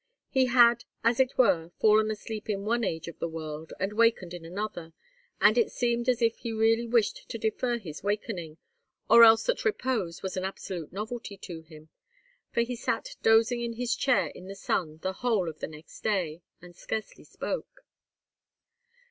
He had, as it were, fallen asleep in one age of the world, and wakened in another, and it seemed as if he really wished to defer his wakening, or else that repose was an absolute novelty to him; for he sat dozing in his chair in the sun the whole of the next day, and scarcely spoke.